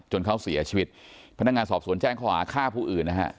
เขาเสียชีวิตพนักงานสอบสวนแจ้งข้อหาฆ่าผู้อื่นนะฮะ